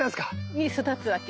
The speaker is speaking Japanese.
に育つわけ。